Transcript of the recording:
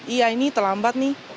iya ini terlambat nih